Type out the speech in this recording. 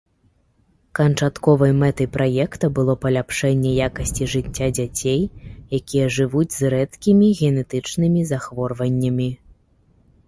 Канчатковай мэтай праекта было паляпшэнне якасці жыцця дзяцей, якія жывуць з рэдкімі генетычнымі захворваннямі.